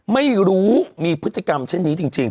ไม่รู้มีพฤติกรรมเช่นนี้จริง